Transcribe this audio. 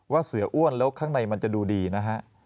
เสืออ้วนแล้วข้างในมันจะดูดีนะฮะ